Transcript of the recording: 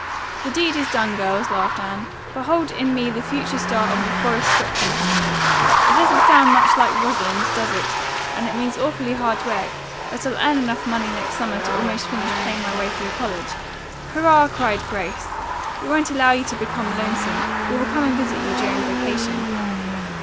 "The deed is done, girls," laughed Anne. "Behold in me the future star of the Forest Stock Company. It doesn't sound much like Rosalind, does it? and it means awfully hard work, but I'll earn enough money next summer to almost finish paying my way through college." "Hurrah!" cried Grace. "We won't allow you to become lonesome. We will come and visit you during vacation."